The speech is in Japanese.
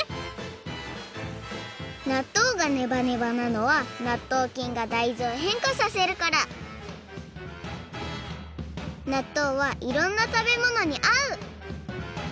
なっとうがネバネバなのはなっとうきんが大豆をへんかさせるからなっとうはいろんなたべものにあう！